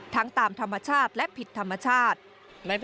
ตามธรรมชาติและผิดธรรมชาติ